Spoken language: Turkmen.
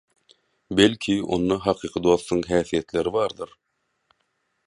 Belki, onda hakyky dostuň häsiýetleri bardyr?